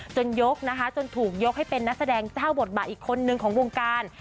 ยกนะคะจนถูกยกให้เป็นนักแสดงเจ้าบทบาทอีกคนนึงของวงการ